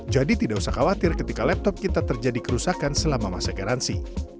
jadi tidak usah khawatir ketika laptop kita terjadi kerusakan selama masa garansi